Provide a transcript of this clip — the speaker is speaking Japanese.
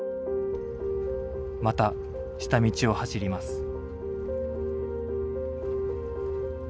また下道を走ります。